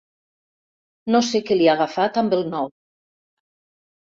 No sé què li ha agafat amb el nou.